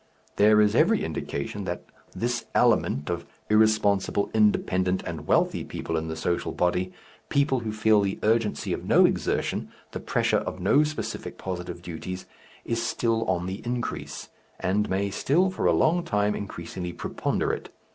There is every indication that this element of irresponsible, independent, and wealthy people in the social body, people who feel the urgency of no exertion, the pressure of no specific positive duties, is still on the increase, and may still for a long time increasingly preponderate.